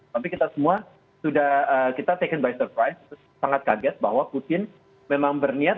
tapi kita semua sudah kita taken by surprise sangat kaget bahwa putin memang berniat